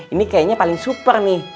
ini kayaknya paling super nih